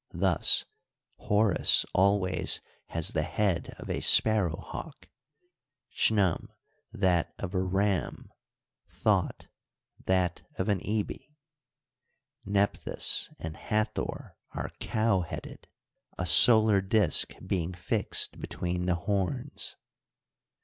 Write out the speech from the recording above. Thus Horus always has the head of a sparrow hawk, Chnum that of a ram, Jhot that of an ibis ; Nephthys and Hathor are cow headed, a solar disk being fixed between the horns.